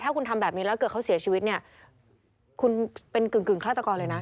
ถ้าคุณทำแบบนี้แล้วเกิดเขาเสียชีวิตเนี่ยคุณเป็นกึ่งฆาตกรเลยนะ